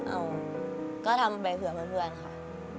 เอาก็ทำไปเผื่อเพื่อนค่ะ